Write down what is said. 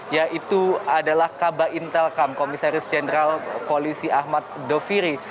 yaitu adalah kaba intelkam komisaris jenderal polisi ahmad doviri